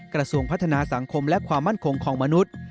กระทรวงพัฒนาสังคมและความมั่นคงของมนุษย์